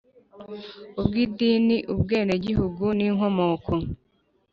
ubwi idini ubwenegihugu n inkomoko